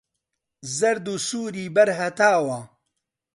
زەرد و سووری بەر هەتاوە